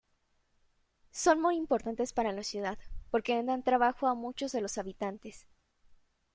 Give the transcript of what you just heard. Son muy importantes para la ciudad, porque dan trabajo a muchos de los habitantes.